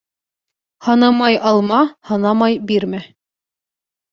Һанамай алма, һанамай бирмә.